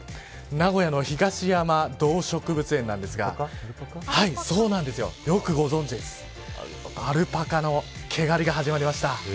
名古屋の東山動植物園なんですがアルパカの毛刈りが始まりました。